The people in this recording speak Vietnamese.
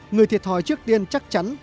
người thiệt hòi trước tiên chắc chắn